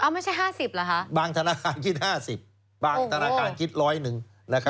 ไม่ใช่๕๐เหรอคะบางธนาคารคิด๕๐บางธนาคารคิดร้อยหนึ่ง